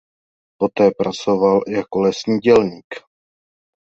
Poté pracoval jako lesní dělník.